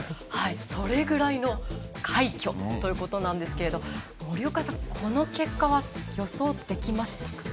それぐらいの快挙ということなんですけれど森岡さん、この結果は予想できましたか？